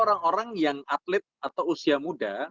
orang orang yang atlet atau usia muda